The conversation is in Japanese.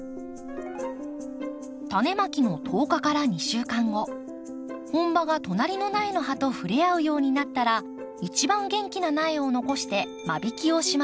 タネまきの１０日から２週間後本葉が隣の苗の葉と触れ合うようになったら一番元気な苗を残して間引きをしましょう。